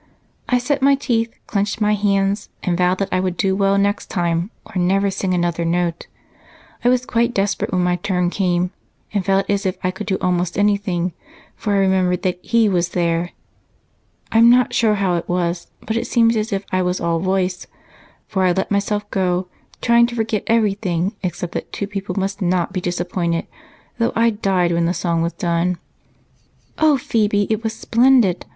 I set my teeth, clenched my hands, and vowed that I would do well next time or never sing another note. I was quite desperate when my turn came, and felt as if I could do almost anything, for I remembered that he was there. I'm not sure how it was, but it seemed as if I was all voice, for I let myself go, trying to forget everything except that two people must not be disappointed, though I died when the song was done." "Oh, Phebe, it was splendid!